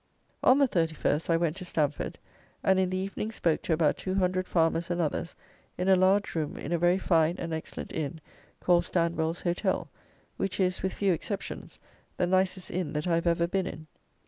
On the 31st, I went to Stamford, and, in the evening, spoke to about 200 farmers and others, in a large room in a very fine and excellent inn, called Standwell's Hotel, which is, with few exceptions, the nicest inn that I have ever been in.